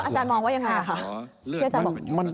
อาจารย์มองว่ายังไงครับ